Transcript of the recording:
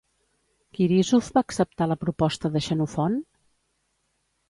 Quirísof va acceptar la proposta de Xenofont?